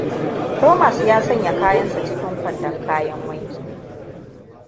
Thomas ya sanya kayansa cikin kwandon kayan wanki.